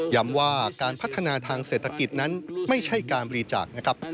ว่าการพัฒนาทางเศรษฐกิจนั้นไม่ใช่การบริจาคนะครับ